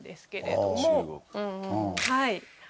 はい。